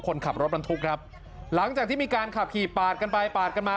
คนขับรถบรรทุกครับหลังจากที่มีการขับขี่ปาดกันไปปาดกันมา